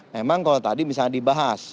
memang kalau tadi misalnya dibahas